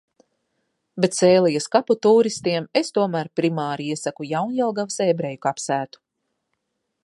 Bet Sēlijas kapu tūristiem es tomēr primāri iesaku Jaunjelgavas ebreju kapsētu.